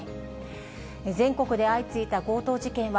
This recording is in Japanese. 全国で相次いだ強盗事件は、